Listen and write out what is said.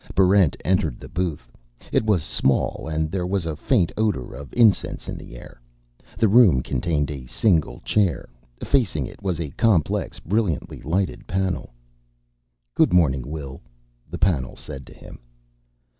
Barrent entered the booth. It was small, and there was a faint odor of incense in the air. The room contained a single chair. Facing it was a complex, brilliantly lighted panel. "Good morning, Will," the panel said to him.